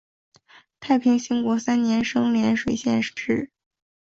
太平兴国三年升涟水县置。